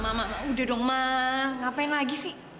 ma ma ma ma udah dong ma ngapain lagi sih